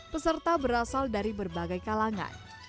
peserta berasal dari berbagai kalangan